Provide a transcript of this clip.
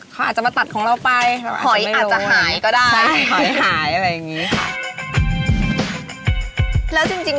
เขาอาจจะมาตัดของเราไปหอยอาจจะหายก็ได้หอยหายอะไรอย่างนี้ค่ะ